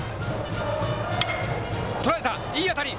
捉えた、いい当たり。